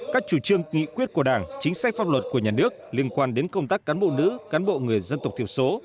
các chủ trương nghị quyết của đảng chính sách pháp luật của nhà nước liên quan đến công tác cán bộ nữ cán bộ người dân tộc thiểu số